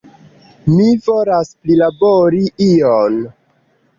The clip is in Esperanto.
Mi volas prilabori ion!